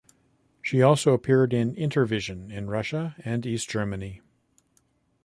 She also appeared in "Intervision" in Russia and East Germany.